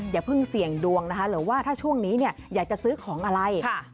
อย่าเพิ่งเสี่ยงดวงนะคะหรือว่าถ้าช่วงนี้เนี่ยอยากจะซื้อของอะไร